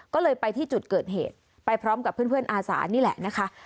ก็เลยไปที่จุดเกิดเหตุไปพร้อมกับเพื่อนอาสานี่แหละนะคะ